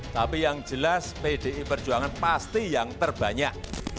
tapi yang jelas pdi perjuangan pasti yang terbanyak